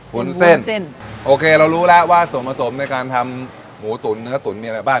วุ้นเส้นเส้นโอเคเรารู้แล้วว่าส่วนผสมในการทำหมูตุ๋นเนื้อตุ๋นมีอะไรบ้าง